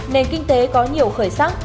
nền kinh tế có nhiều khởi sắc